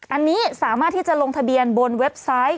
อันนี้สามารถที่จะลงทะเบียนบนเว็บไซต์